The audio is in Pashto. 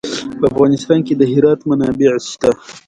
په افغانستان کې د هرات منابع شته.